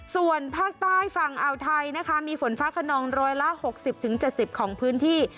ส่วนภาคใต้ฝั่งอ่าวไทยนะคะมีฝนฟ้าขนองร้อยละ๖๐๗๐ของพื้นที่